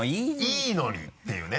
いいのにっていうね。